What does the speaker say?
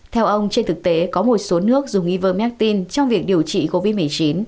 theo ông trên thực tế có một số nước dùng ivermectin trong việc điều trị covid một mươi chín